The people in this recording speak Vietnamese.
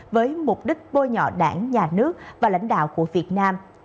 với mục đích bôi nhọ đảng nhà nước và lãnh đạo của việt nam